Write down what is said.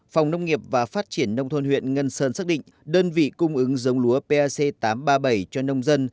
phòng nông nghiệp và phát triển nông thôn huyện ngân sơn xác định đơn vị cung ứng giống lúa pc tám trăm ba mươi bảy cho nông dân